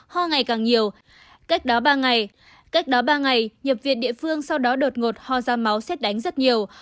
hò ngày càng nhiều cách đó ba ngày nhập viện địa phương sau đó đột ngột hò da máu xét đánh rất nhiều